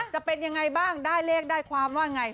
จะเป็นอย่างไรบ้างได้เรียกได้ความว่าอย่างไร